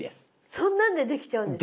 そんなんでできちゃうんですか？